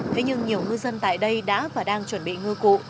thế nhưng nhiều ngư dân tại đây đã và đang chuẩn bị ngư cụ